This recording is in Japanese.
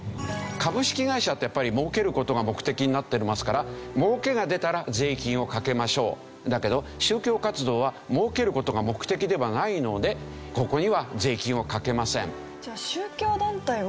株式会社ってやっぱり儲ける事が目的になっておりますから儲けが出たら税金をかけましょうだけど宗教活動は儲ける事が目的ではないのでここには税金をかけません。